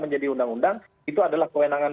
menjadi undang undang itu adalah kewenangan